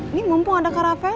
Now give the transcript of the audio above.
ini mumpung ada kak rafael